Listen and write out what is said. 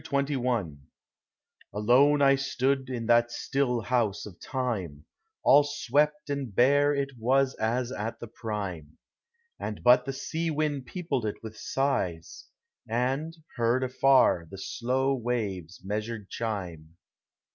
CXXI Alone I stood in that still house of Time, All swept and bare it was as at the prime, And but the sea wind peopled it with sighs, And, heard afar, the slow waves' measured chime.